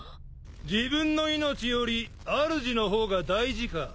自分の命よりあるじの方が大事か。